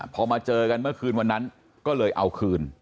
พอมาเจอกันเมื่อคืนวันนั้นก็เลยเอาคืน